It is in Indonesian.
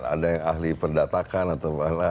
ada yang ahli perdatakan atau